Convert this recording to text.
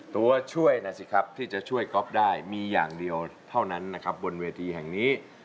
ตัวช่วยนะสิครับที่จะช่วยก๊อฟได้มีอย่างเดียวเท่านั้นนะครับบนเวทีแห่งนี้